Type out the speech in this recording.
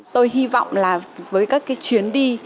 tôi hy vọng là với các cái chuyến đi